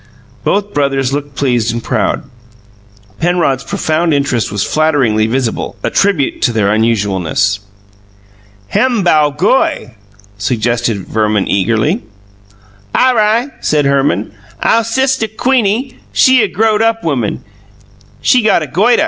Both brothers looked pleased and proud. Penrod's profound interest was flatteringly visible, a tribute to their unusualness. "Hem bow goy," suggested Verman eagerly. "Aw ri'," said Herman. "Ow sistuh Queenie, she a growed up woman; she got a goituh."